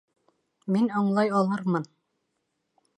Мин аңлай алырмын.